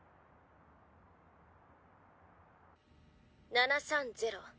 ７３０。